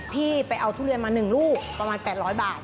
พี่ไปเอาทุเรียนมา๑ลูกประมาณ๘๐๐บาท